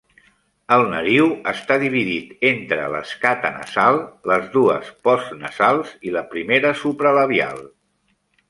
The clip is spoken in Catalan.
El nariu està dividit entre l'escata nasal, les dues postnasals i la primera supralabial.